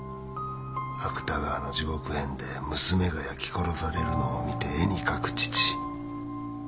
芥川の『地獄変』で娘が焼き殺されるのを見て絵に描く父